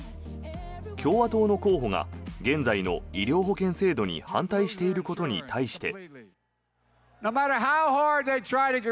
共和党の候補が現在の医療保険制度に反対していることに対して。